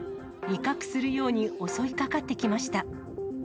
威嚇するように襲いかかってきました。